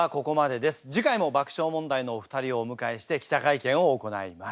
次回も爆笑問題のお二人をお迎えして記者会見を行います。